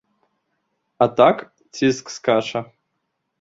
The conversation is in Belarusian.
А так, ціск скача.